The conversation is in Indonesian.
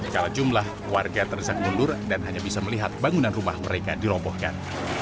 kala jumlah warga terdesak mundur dan hanya bisa melihat bangunan rumah mereka dirobohkan